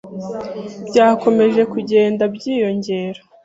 Byakomeje kugenda byiyongera.